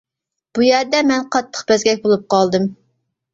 بۇ يەردە مەن قاتتىق بەزگەك بولۇپ قالدىم.